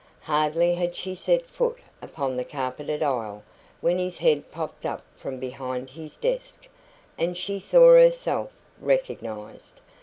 Hardly had she set foot upon the carpeted aisle when his head popped up from behind his desk, and she saw herself recognised.